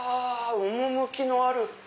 趣のある。